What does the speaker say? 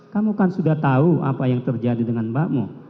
kamu kan sudah tahu apa yang terjadi dengan mbakmu